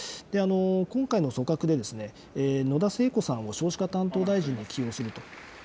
今回の組閣で、野田聖子さんを少子化担当大臣に起用すると。